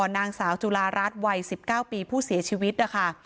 นางสาวจุลาร้าทไว้สิบเก้าปีผู้เสียชีวิตนะคะ